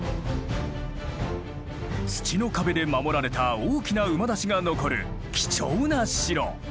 土の壁で守られた大きな馬出しが残る貴重な城。